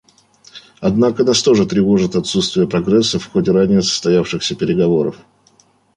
Однако нас также тревожит отсутствие прогресса в ходе ранее состоявшихся переговоров.